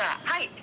はい。